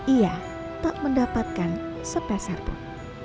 ia tak mendapatkan sepeserpun